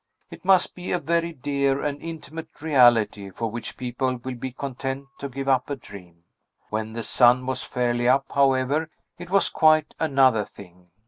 It must be a very dear and intimate reality for which people will be content to give up a dream. When the sun was fairly up, however, it was quite another thing.